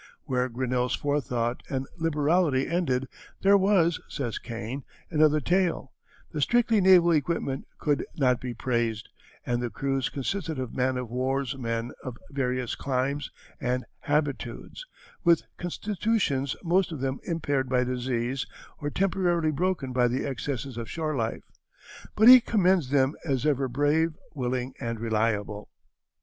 Where Grinnell's forethought and liberality ended there was, says Kane, another tale: the strictly naval equipment could not be praised, and the "crews consisted of man of war's men of various climes and habitudes, with constitutions most of them impaired by disease or temporarily broken by the excesses of shore life;" but he commends them as ever brave, willing, and reliable.